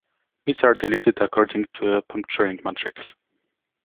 Bits are deleted according to a "puncturing matrix".